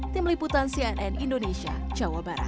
tim liputan cnn indonesia cawabunga